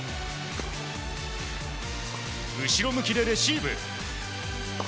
後ろ向きでレシーブ。